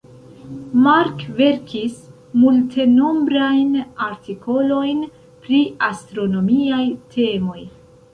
Mark verkis multenombrajn artikolojn pri astronomiaj temoj.